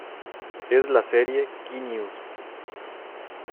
Es la serie "Key News".